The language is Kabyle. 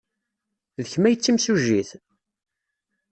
D kemm ay d timsujjit?